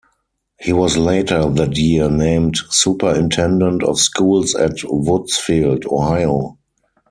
He was later that year named superintendent of schools at Woodsfield, Ohio.